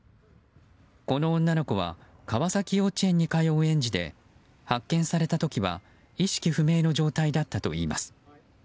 この女の子は川崎幼稚園に通う園児で発見された時は意識不明の状態だったといいます。